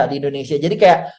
di indonesia jadi kayak